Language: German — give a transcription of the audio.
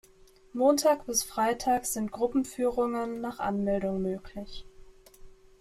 Montag bis Freitag sind Gruppenführungen nach Anmeldung möglich.